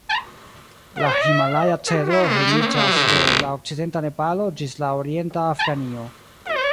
La himalaja-cedro hejmiĝas de la okcidenta Nepalo ĝis la orienta Afganio.